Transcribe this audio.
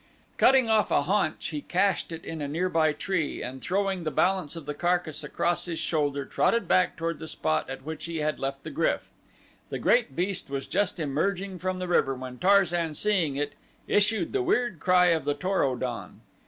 Cutting off a haunch he cached it in a nearby tree, and throwing the balance of the carcass across his shoulder trotted back toward the spot at which he had left the GRYF. The great beast was just emerging from the river when Tarzan, seeing it, issued the weird cry of the Tor o don.